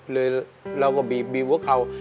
เลยเราก็บีบหัวเข่า